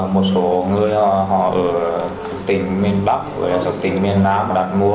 một số người họ ở tỉnh miền đắk tỉnh miền nam đang mua